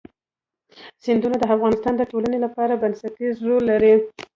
سیندونه د افغانستان د ټولنې لپاره بنسټيز رول لري.